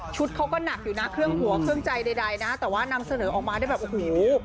เขาก็หนักอยู่นะเครื่องหัวเครื่องใจใดนะแต่ว่านำเสนอออกมาได้แบบโอ้โห